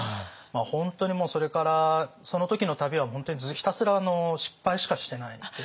本当にもうそれからその時の旅は本当にひたすら失敗しかしてないですね。